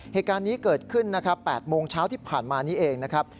เหตุการณ์นี้เกิดขึ้นนะครับ๘โมงเช้าที่ผ่านมานี้เองนะครับ